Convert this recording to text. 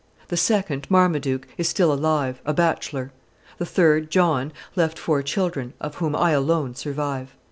The second, Marmaduke, is still alive, a bachelor. The third, John, left four children, of whom I alone survive.